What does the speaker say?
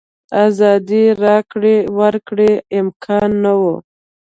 ازادې راکړې ورکړې امکان نه و.